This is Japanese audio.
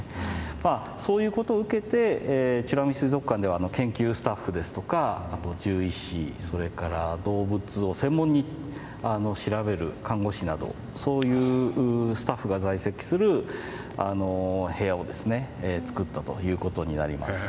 そういうことを受けて美ら海水族館では研究スタッフですとかあと獣医師それから動物を専門に調べる看護師などそういうスタッフが在籍する部屋をですね造ったということになります。